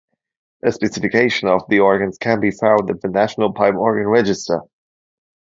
A specification of the organs can be found at the National Pipe Organ Register.